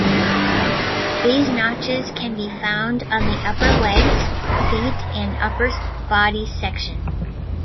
These notches can be found on the upper legs, feet and upper body section.